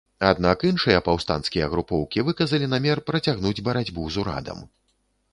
Аднак іншыя паўстанцкія групоўкі выказалі намер працягнуць барацьбу з урадам.